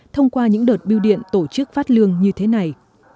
thông qua những đợt biêu điện tổ chức phát lương như thế này